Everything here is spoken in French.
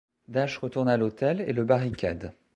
Dash retourne à l'hôtel et le barricade.